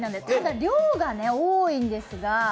ただ、量が多いんですが。